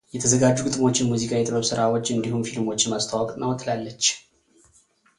የተዘጋጁ ግጥሞችን ሙዚቃ የጥበብ ሥራዎች እንዲሁም ፊልሞችን ማስተዋወቅ ነው ትላለች።